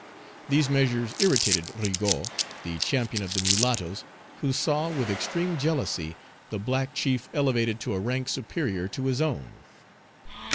These measures irritated Rigaud, the champion of the mulattoes, who saw, with extreme jealousy, the black chief elevated to a rank superior to his own.